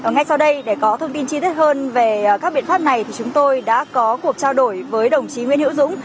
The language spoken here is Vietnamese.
ngay sau đây để có thông tin chi tiết hơn về các biện pháp này chúng tôi đã có cuộc trao đổi với đồng chí nguyễn hữu dũng